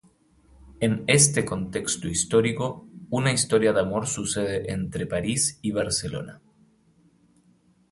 En este contexto histórico una historia de amor sucede entre París y Barcelona.